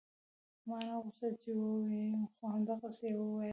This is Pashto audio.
ما نه غوښتل چې ووايم خو همدغسې يې وويل.